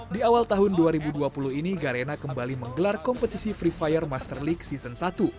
di awal tahun dua ribu dua puluh ini garena kembali menggelar kompetisi free fire master league season satu